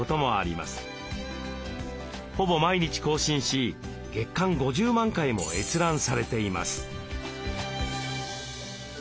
ほぼ毎日更新し月間５０万回も閲覧されています。